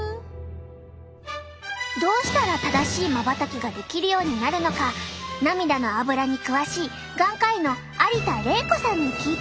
どうしたら正しいまばたきができるようになるのか涙のアブラに詳しい眼科医の有田玲子さんに聞いてみよう！